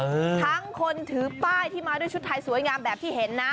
ทั้งคนถือป้ายที่มาด้วยชุดไทยสวยงามแบบที่เห็นนะ